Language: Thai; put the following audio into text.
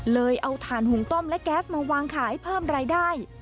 เอาถ่านหุงต้มและแก๊สมาวางขายเพิ่มรายได้